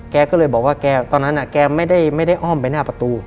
แกก็เลยบอกว่าแกตอนนั้นแกไม่ได้อ้อมไปหน้าประตู